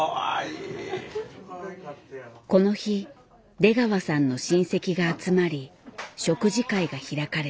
この日出川さんの親戚が集まり食事会が開かれた。